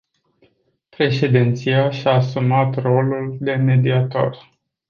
Președinția și-a asumat rolul de mediator.